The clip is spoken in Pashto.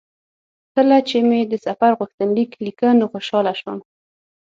کله چې مې د سفر غوښتنلیک لیکه نو خوشاله شوم.